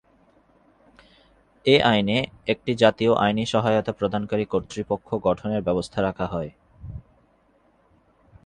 এ আইনে একটি জাতীয় আইনি সহায়তা প্রদানকারী কর্তৃপক্ষ গঠনের ব্যবস্থা রাখা হয়।